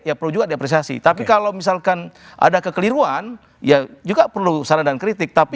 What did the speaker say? ya perlu juga diapresiasi tapi kalau misalkan ada kekeliruan ya juga perlu saran dan kritik tapi